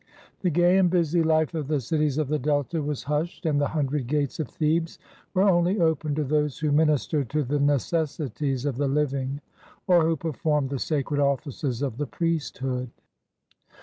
The gay and busy Hfe of the cities of the Delta was hushed, and the hundred gates of Thebes were only opened to those who ministered to the necessities of the living or who performed the sacred offices of the priest hood.